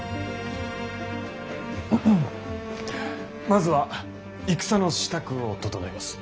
まずは戦の支度を調えます。